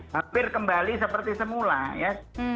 hampir kembali seperti semula ya